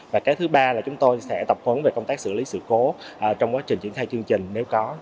và cái thứ ba là chúng tôi sẽ tập huấn về công tác xử lý sự cố trong quá trình triển khai chương trình nếu có